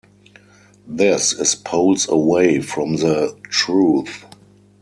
This is poles away from the truth.